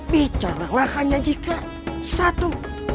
bicaralah hanya jika satu